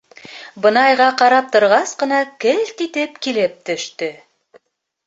Бына айға ҡарап торғас ҡына келт итеп килеп төштө.